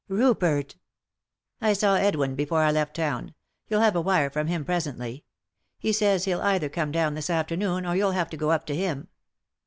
"Rupert!" "I saw Edwin before I left town ; you'll have a wire from him presently. He says hell either come down this afternoon or you'll have to go up to him."